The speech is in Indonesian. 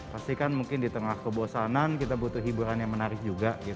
pasti kan mungkin di tengah kebosanan kita butuh hiburan yang menarik juga